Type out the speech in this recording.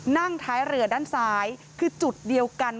นั่งท้ายเรือด้านซ้ายคือจุดเดียวกัน